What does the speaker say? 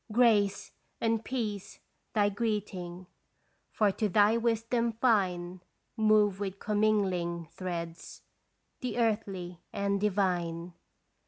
" Grace and peace " thy greeting, For to thy wisdom fine Move with commingling threads The earthly and divine.